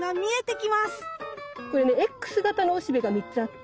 これねエックス形のおしべが３つあって。